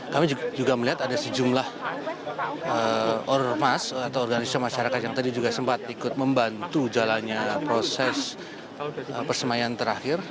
kami juga melihat ada sejumlah ormas atau organisasi masyarakat yang tadi juga sempat ikut membantu jalannya proses persemaian terakhir